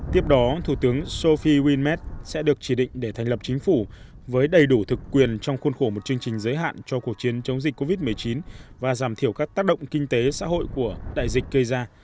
tiếp đó thủ tướng sophie wilmet sẽ được chỉ định để thành lập chính phủ với đầy đủ thực quyền trong khuôn khổ một chương trình giới hạn cho cuộc chiến chống dịch covid một mươi chín và giảm thiểu các tác động kinh tế xã hội của đại dịch gây ra